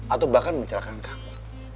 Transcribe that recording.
atau bahkan mencerahkan kamu